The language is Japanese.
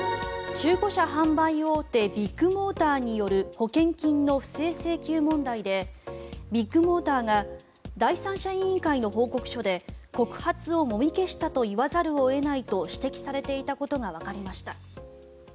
中古車販売大手ビッグモーターによる保険金の不正請求問題でビッグモーターが第三者委員会の報告書で告発をもみ消したと言わざるを得ないと指摘されていたことがわかりました。